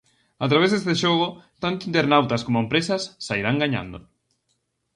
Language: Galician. A través deste xogo, tanto internautas como empresas sairán gañando.